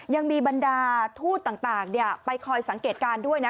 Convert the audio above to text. ยังมีบรรดาทูตต่างไปคอยสังเกตการณ์ด้วยนะ